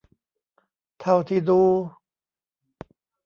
เท่าที่ดู